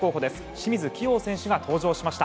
清水希容選手が登場しました。